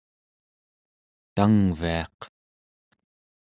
tangviaq